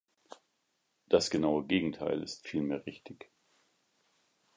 Das genaue Gegenteil ist vielmehr richtig.